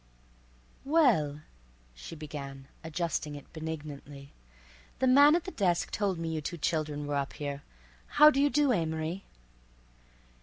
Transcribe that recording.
"Well," she began, adjusting it benignantly, "the man at the desk told me you two children were up here—How do you do, Amory."